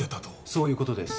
そういうことです。